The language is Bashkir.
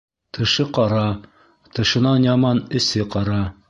Тышы ҡара, тышынан яман эсе ҡара.